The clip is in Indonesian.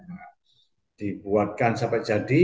nah dibuatkan sampai jadi